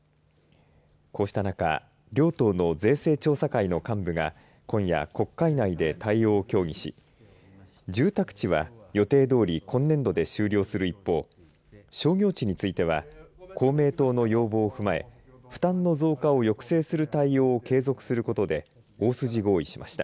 こうした中両党の税制調査会の幹部が今夜、国会内で対応を協議し住宅地は予定どおり今年度で終了する一方商業地については公明党の要望を踏まえ負担の増加を抑制する対応を継続することで大筋合意しました。